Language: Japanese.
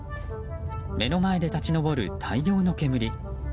目の前で立ち上る大量の煙。